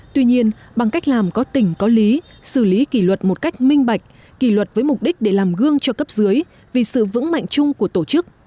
tuy nhiên bằng cách làm có tỉnh có lý xử lý kỷ luật một cách minh bạch kỷ luật với mục đích để làm gương cho cấp dưới vì sự vững mạnh chung của tổ chức